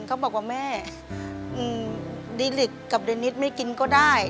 เขาบอกว่าแม่ดีลิกกับเดนิสไม่กินก็ได้